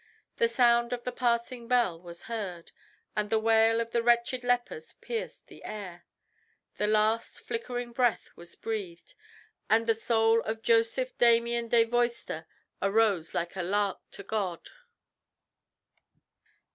The sound of the passing bell was heard, and the wail of the wretched lepers pierced the air. ... The last flickering breath was breathed, and the soul of Joseph Damien de Veuster arose like a lark to God.